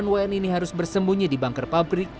sembilan wni ini harus bersembunyi di banker pabrik